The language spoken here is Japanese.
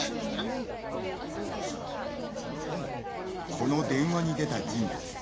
この電話に出た人物